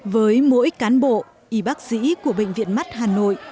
với mỗi cán bộ y bác sĩ của bệnh viện mắt hà nội